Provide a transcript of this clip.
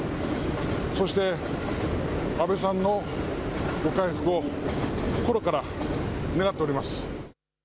そして安倍さんのご回復を心から願っております。